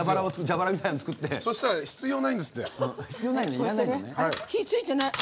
そしたら必要ないんですって。